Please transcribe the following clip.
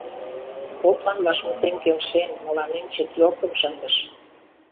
Поплан вашмутем келшен, мыланем четвёркым шындыш.